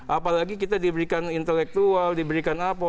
apalagi kita diberikan intelektual diberikan apa